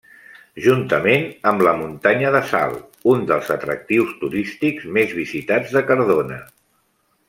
Juntament amb la Muntanya de Sal un dels atractius turístics més visitats de Cardona.